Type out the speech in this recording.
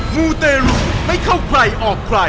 มูเตรุไม่เข้าใครออกใคร